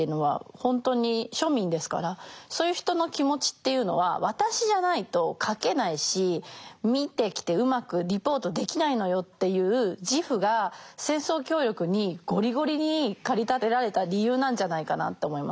そういう人の気持ちっていうのは私じゃないと書けないし見てきてうまくリポートできないのよっていう自負が戦争協力にゴリゴリに駆り立てられた理由なんじゃないかなって思います。